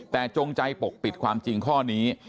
แต่จงใจปกปิดความจริงข้อนี้